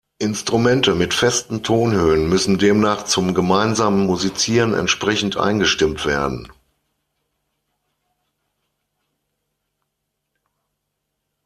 Instrumente mit festen Tonhöhen müssen demnach zum gemeinsamen Musizieren entsprechend eingestimmt werden.